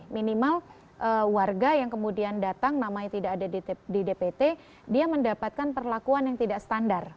minimal warga yang kemudian datang namanya tidak ada di dpt dia mendapatkan perlakuan yang tidak standar